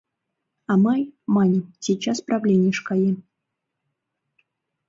А мый, — маньым, — сейчас правленийыш каем.